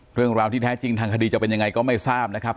เรื่องราวที่แท้จริงทางคดีจะเป็นยังไงก็ไม่ทราบนะครับ